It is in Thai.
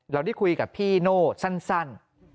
เราได้คุยกับพี่โน่สั้น